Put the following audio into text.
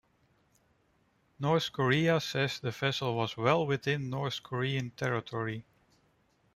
North Korea says the vessel was well within North Korean territory.